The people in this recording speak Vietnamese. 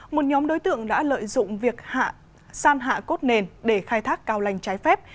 một nhóm đối tượng đã lợi dụng việc san hạ cốt nền để khai thác cao lành trái phép